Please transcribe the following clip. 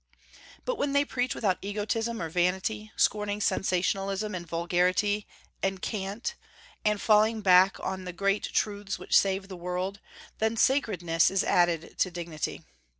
But when they preach without egotism or vanity, scorning sensationalism and vulgarity and cant, and falling back on the great truths which save the world, then sacredness is added to dignity.